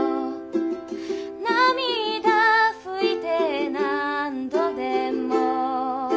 「涙拭いて何度でも」